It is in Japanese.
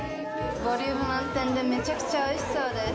ボリューム満点でめちゃくちゃおいしそうです。